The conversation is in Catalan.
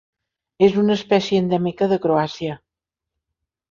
És una espècie endèmica de Croàcia.